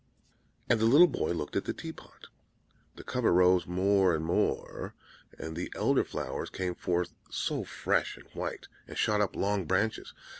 And the little boy looked at the tea pot. The cover rose more and more; and the Elder flowers came forth so fresh and white, and shot up long branches.